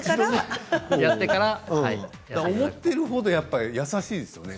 思っているよりも優しいですよね。